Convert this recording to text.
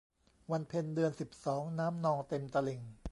วันเพ็ญเดือนสิบสอง น้ำนองเต็มตลิ่ง